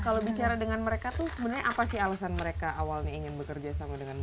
kalau bicara dengan mereka tuh sebenarnya apa sih alasan mereka awalnya ingin bekerja sama dengan mereka